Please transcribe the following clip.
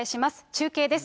中継です。